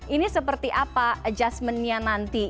ini seperti apa adjustmentnya nanti